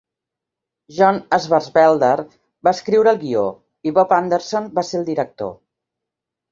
John Swartzwelder va escriure el guió i Bob Anderson va ser el director.